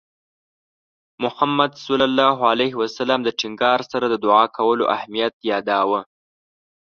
محمد صلى الله عليه وسلم د ټینګار سره د دُعا کولو اهمیت یاداوه.